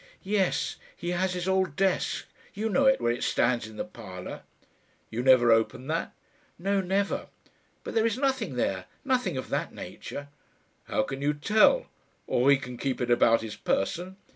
"Yes; he has his old desk; you know it, where it stands in the parlour." "You never open that?" "No, never; but there is nothing there nothing of that nature." "How can you tell? Or he can keep it about his person?"